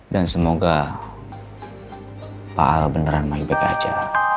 dan semoga pak al beneran baik baik aja